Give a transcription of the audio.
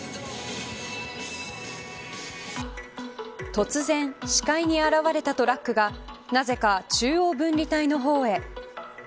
突然、視界に現れたトラックがなぜか中央分離帯の方へ。